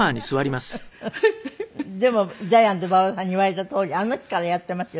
でもジャイアント馬場さんに言われたとおりあの日からやっていますよ